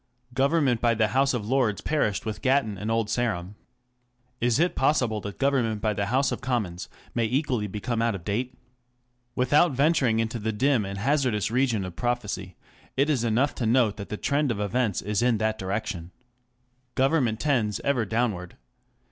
Government by the House of Lords perished with Gatton and Old Sarum. Is it possible^ that government by the House of Commons may equally become ( out of date ? Without venturing into the dim and hazardous region of prophecy, it is enough to note that the trend of events is in that direction. Government tends ever downward.